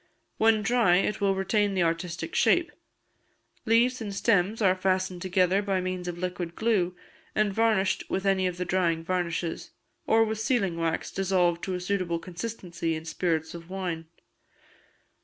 When dry, it will retain the artistic shape. Leaves and stems are fastened together by means of liquid glue, and varnished with any of the drying varnishes, or with sealing wax dissolved to a suitable consistency in spirits of wine.